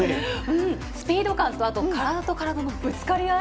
スピード感と体と体のぶつかり合い。